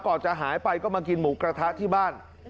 ก่อนจะหายไปก็มากินหมูกระทะที่บ้าน